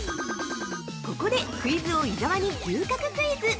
◆ここでクイズ王・伊沢に牛角クイズ。